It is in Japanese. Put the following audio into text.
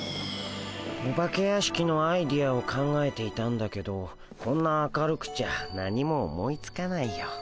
お化け屋敷のアイデアを考えていたんだけどこんな明るくちゃ何も思いつかないよ。